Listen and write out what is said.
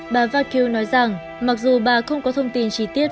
bà vakio nói rằng mặc dù bà không có thông tin chi tiết